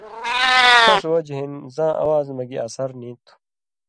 ݜس وجہۡ ہِن زاں اواز مہ گی اثر نی تُھو۔